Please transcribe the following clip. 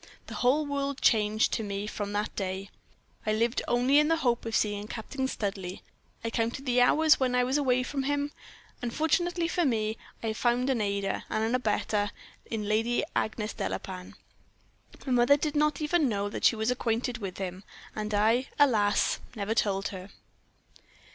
The whole world changed to me from that day. I lived only in the hope of seeing Captain Studleigh. I counted the hours when I was away from him. Unfortunately for me, I found an aider and abettor in Lady Agnes Delapain. My mother did not even know that she was acquainted with him, and I alas! never told her.